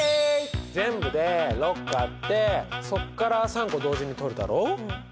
全部で６個あってそっから３個同時に取るだろう。